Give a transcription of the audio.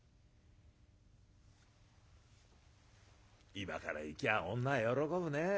「今から行きゃ女は喜ぶね。